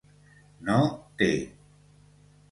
No t